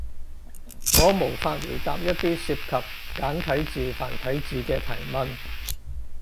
我無法回答一啲涉及簡體字、繁體字嘅提問